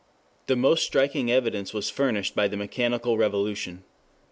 The most striking evidence was furnished by the mechanical revolution.